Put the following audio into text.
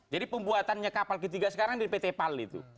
pembuatannya kapal ketiga sekarang di pt pal itu